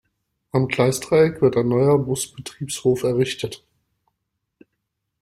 Am Gleisdreieck wird ein neuer Busbetriebshof errichtet.